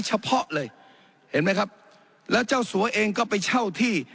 เฉพาะเลยเห็นไหมครับแล้วเจ้าสัวเองก็ไปเช่าที่